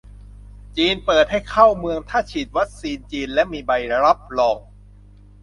จีนเปิดให้เข้าเมืองถ้าฉีดวัคซีนจีนและมีใบรับรอง